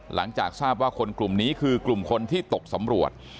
หลังจากทราบว่าคนกลุ่มนี้คือกลุ่มคนที่ตกสำรวจ